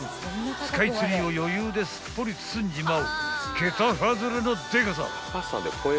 ［スカイツリーを余裕ですっぽり包んじまう桁外れのでかさ］